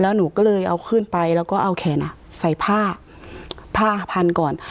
หนูก็เลยเอาขึ้นไปแล้วก็เอาแขนใส่ผ้าผ้าพันก่อน